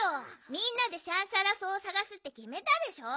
みんなでシャンシャラ草をさがすってきめたでしょ。